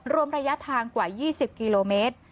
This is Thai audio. รวมระยะทางกว่า๒๐กิโลเมตร